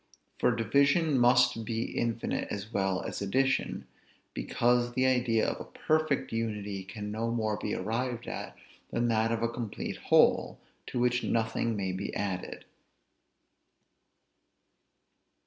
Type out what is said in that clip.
For division must be infinite as well as addition; because the idea of a perfect unity can no more be arrived at, than that of a complete whole, to which nothing may be added.